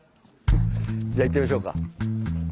じゃあ行ってみましょうか。